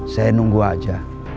saya nunggu aja